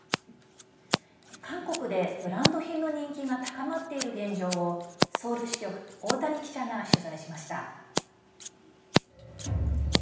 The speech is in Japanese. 韓国でブランド品の人気が高まっている現状をソウル支局大谷記者が取材しました。